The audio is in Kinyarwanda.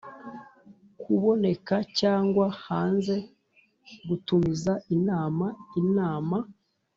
kuboneka cyangwa banze gutumiza inama Inama